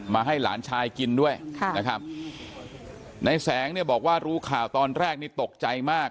ให้หลานชายกินด้วยนะครับในแสงเนี่ยบอกว่ารู้ข่าวตอนแรกนี่ตกใจมาก